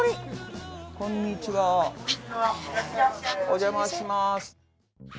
お邪魔します。